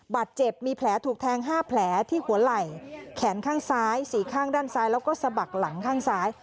บาดเจ็บมีแผลถูกแทง๕แผลที่หัวไหล่แขนข้างซ้ายสี่ข้างด้านซ้ายแล้วก็สะบักหลังข้างซ้าย